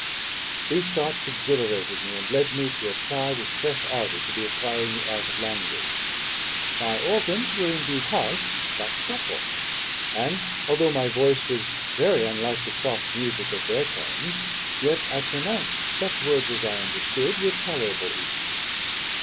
"These thoughts exhilarated me, and led me to apply with fresh ardour to the acquiring the art of language. My organs were indeed harsh, but supple; and although my voice was very unlike the soft music of their tones, yet I pronounced such words as I understood with tolerable ease.